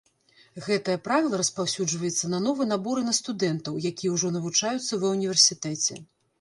Гэтае правіла распаўсюджваецца на новы набор і на студэнтаў, якія ўжо навучаюцца ва ўніверсітэце.